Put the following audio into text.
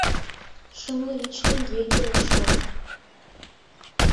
— Шымлу вич теҥге кӱлеш шол.